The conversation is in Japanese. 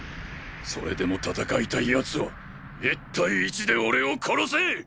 それでも戦いたいやつは１対１で俺を殺せ！